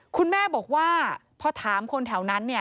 คุณแม่บอกว่าพอถามคนแถวนั้นเนี่ย